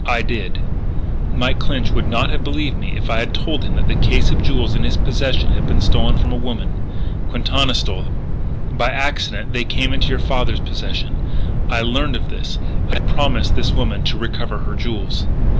I did. But Mike Clinch would not have believed me if I had told him that the case of jewels in his possession had been stolen from a woman.... Quintana stole them. By accident they came into your father's possession. I learned of this. I had promised this woman to recover her jewels.